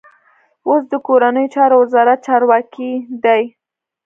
اوس د کورنیو چارو وزارت چارواکی دی.